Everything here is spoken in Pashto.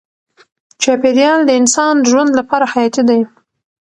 چاپیریال د انسان ژوند لپاره حیاتي دی.